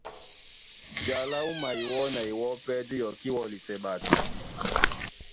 Ja lá wúma iwɔ́ na iwɔ́ pɛ́ dí yɔkí wɔlisɛ ɓato .